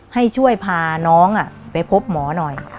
ให้ช่วยพาน้องไปพบหมอหน่อย